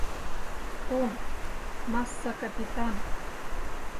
— Том, масса капитан.